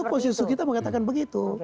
so itu konsensus kita mengatakan begitu